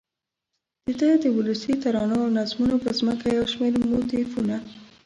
دده د ولسي ترانو او نظمونو پر ځمکه یو شمېر موتیفونه